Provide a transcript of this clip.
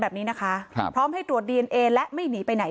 แบบนี้นะคะครับพร้อมให้ตรวจดีเอนเอและไม่หนีไปไหน